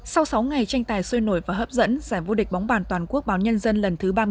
sau sáu ngày tranh tài sôi nổi và hấp dẫn giải vô địch bóng bàn toàn quốc báo nhân dân lần thứ ba mươi ba